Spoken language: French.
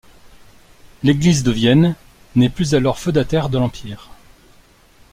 L'église de Vienne n'est plus alors feudataire de l'Empire.